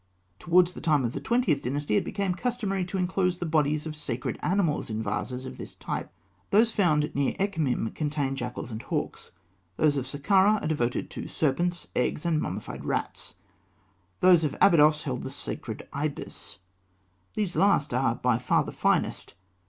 Towards the time of the Twentieth Dynasty, it became customary to enclose the bodies of sacred animals in vases of this type. Those found near Ekhmîm contain jackals and hawks; those of Sakkarah are devoted to serpents, eggs, and mummified rats; those of Abydos hold the sacred ibis. These last are by far the finest.